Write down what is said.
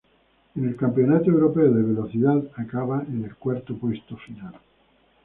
En el Campeonato Europeo de Velocidad acaba en el cuarto puesto final.